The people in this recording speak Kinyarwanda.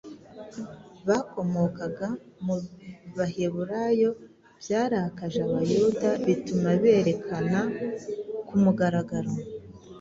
bakomokaga mu Baheburayo byarakaje Abayahudi bituma berekana ku mugaragaro